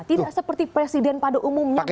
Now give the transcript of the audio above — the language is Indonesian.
tidak seperti presiden pada umumnya